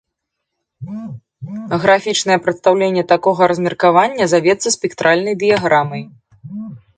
Графічнае прадстаўленне такога размеркавання завецца спектральнай дыяграмай.